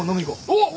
おっ。